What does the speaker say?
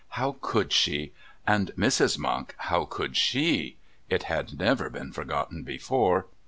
How could she? And Mrs. Monk, how could SHE? It had never been forgotten before.